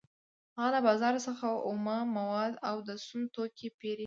هغه له بازار څخه اومه مواد او د سون توکي پېري